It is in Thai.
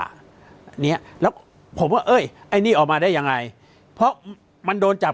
อันนี้แล้วผมว่าเอ้ยไอ้นี่ออกมาได้ยังไงเพราะมันโดนจับ